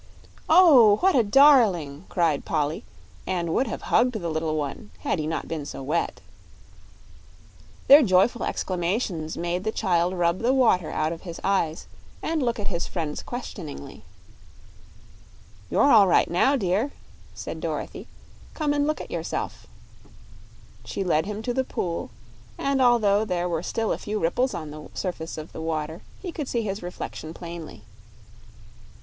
"Oh, what a darling!" cried Polly, and would have hugged the little one had he not been so wet. Their joyful exclamations made the child rub the water out of his eyes and look at his friends questioningly. "You're all right now, dear," said Dorothy. "Come and look at yourself." She led him to the pool, and although there were still a few ripples on the surface of the water he could see his reflection plainly.